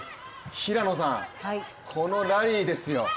平野さん、このラリーですよ。